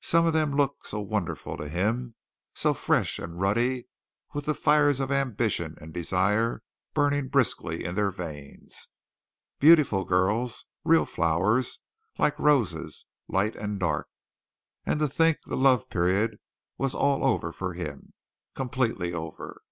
Some of them looked so wonderful to him so fresh and ruddy with the fires of ambition and desire burning briskly in their veins. Beautiful girls real flowers, like roses, light and dark. And to think the love period was all over for him completely over!